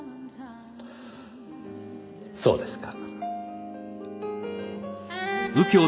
そうですか。